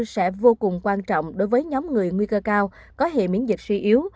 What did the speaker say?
sẽ vô cùng quan trọng đối với nhóm người nguy cơ cao có hệ miễn dịch suy yếu